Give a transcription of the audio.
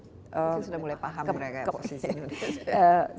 itu sudah mulai paham mereka posisi itu